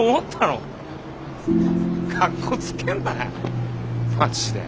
かっこつけんなよ。